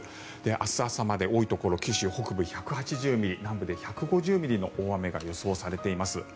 明日朝まで多いところで九州北部１８０ミリ南部で１５０ミリの大雨が予想されています。